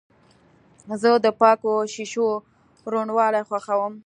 زه د پاکو شیشو روڼوالی خوښوم.